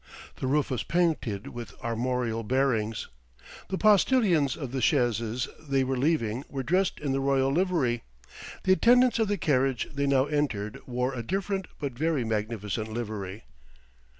The roof was painted with armorial bearings. The postilions of the chaises they were leaving were dressed in the royal livery. The attendants of the carriage they now entered wore a different but very magnificent livery.